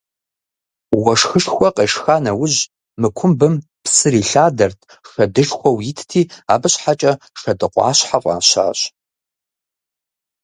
Уэшхышхуэ къешха нэужь мы кумбым псыр илъадэрт, шэдышхуэу итти, абы щхьэкӏэ «Шэдыкъуащхьэ» фӏащащ.